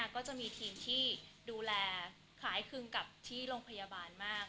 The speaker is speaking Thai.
ก็จะมีทีมที่ดูแลคล้ายคลึงกับที่โรงพยาบาลมาก